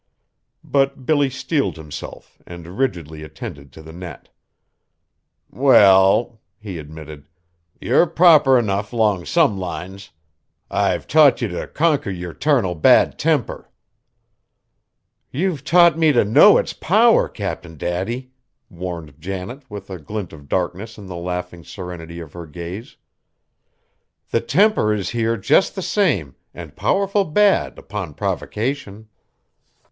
But Billy steeled himself, and rigidly attended to the net. "Well," he admitted, "ye're proper enough 'long some lines. I've taught ye t' conquer yer 'tarnal bad temper " "You've taught me to know its power, Cap'n Daddy," warned Janet with a glint of darkness in the laughing serenity of her gaze; "the temper is here just the same, and powerful bad, upon provocation!"